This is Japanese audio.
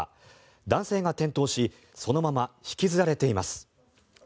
男性が転倒しそのまま引きずられています。